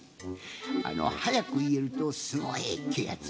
あのはやくいえるとすごいっていうやつ。